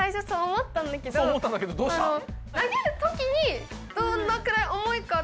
そう思ったんだけどどうした？